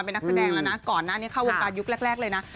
เป็นนักแสดงแล้วนะก่อนหน้านี้เข้าวงการยุคแรกเลยนะ